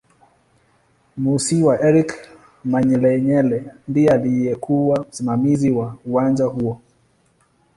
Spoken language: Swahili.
Musiiwa Eric Manyelenyele ndiye aliyekuw msimamizi wa uwanja huo